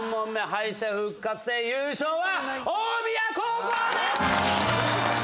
敗者復活戦優勝は大宮高校です！